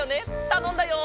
たのんだよ！